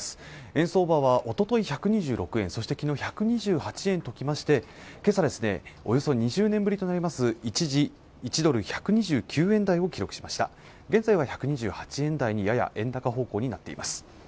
円相場はおととい１２６円台そして昨日１２８円ときましておよそ２０年ぶりとなります一時１ドル１２９円台を記録しました現在は１２８円台にやや円高方向になっています